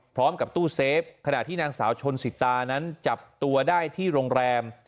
พร้อมกับตู้เซฟขณะที่นางสาวชนสิตานั้นจับตัวได้ที่โรงแรม